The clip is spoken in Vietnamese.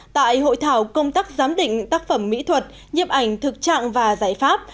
tại hội thảo công tác giám định tác phẩm mỹ thuật nhiếp ảnh thực trạng và giải pháp